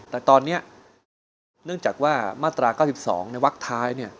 แต่ตอนนี้เนื่องจากว่ามาตรา๙๒ในวักท้าย